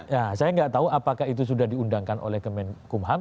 ya saya nggak tahu apakah itu sudah diundangkan oleh kemenkumham